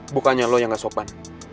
bukannya lo yang gak sopan